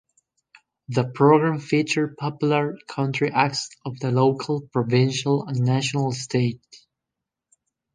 The program featured popular country acts of the local, provincial and national stage.